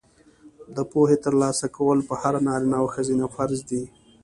د پوهې ترلاسه کول په هر نارینه او ښځینه فرض دي.